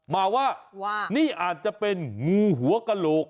มาว่านี่อาจจะเป็นงูหัวกระโหลก